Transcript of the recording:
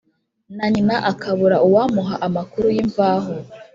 na nyina, akabura uwamuha amakuru y'imvaho.